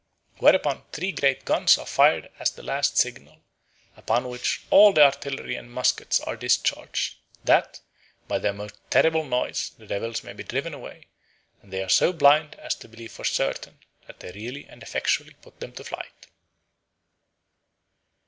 Whereupon three great guns are fired as the last signal; upon which all the artillery and musquets are discharged, that, by their most terrible noise the devils may be driven away; and they are so blind as to believe for certain, that they really and effectually put them to flight."